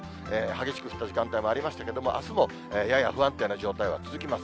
激しく降った時間帯もありましたけれども、あすもやや不安定な状態が続きます。